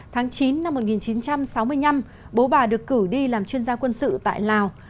tháng chín năm một nghìn chín trăm sáu mươi năm bố bà được cử đi làm chuyên gia quân sự tại lào